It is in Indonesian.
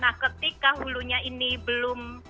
nah ketika hulunya ini belum